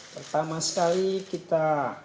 pertama sekali kita